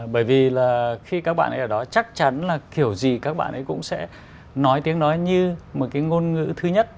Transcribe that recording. bởi vì là khi các bạn ấy ở đó chắc chắn là kiểu gì các bạn ấy cũng sẽ nói tiếng nói như một cái ngôn ngữ thứ nhất